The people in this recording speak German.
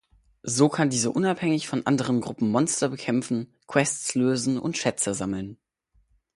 So kann diese unabhängig von anderen Gruppen Monster bekämpfen, Quests lösen und Schätze sammeln.